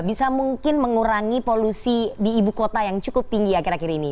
bisa mungkin mengurangi polusi di ibu kota yang cukup tinggi akhir akhir ini